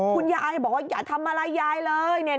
คุณยายบอกว่าอย่าทำอะไรต่อนัดยายเลย